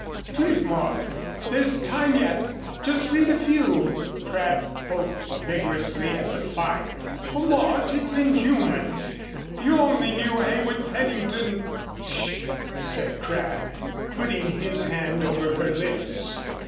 "Please, Mort there's time yet just read a few " Crabb poked vigorously at the fire. "Oh, Mort, it's inhuman! You only knew Heywood Pennington " "Sh " said Crabb, putting his hand over her lips.